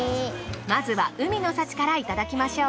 まずは海の幸からいただきましょう。